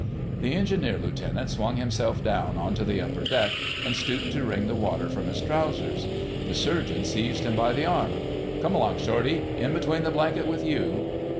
The Engineer Lieutenant swung himself down on to the upper deck and stooped to wring the water from his trousers. The Surgeon seized him by the arm— "Come along, Shortie—in between the blankets with you!"